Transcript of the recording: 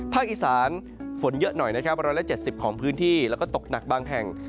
อีสานฝนเยอะหน่อยนะครับ๑๗๐ของพื้นที่แล้วก็ตกหนักบางแห่ง